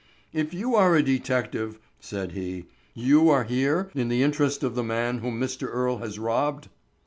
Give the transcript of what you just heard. "If you are a detective," said he, "you are here in the interest of the man whom Mr. Earle has robbed?"